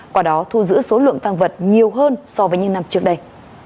qua đó thu giữ số lượng tăng vật nhiều hơn so với những năm trước đây